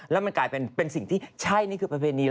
แล้วมันกลายเป็นสิ่งที่ใช่นี่คือประเพณี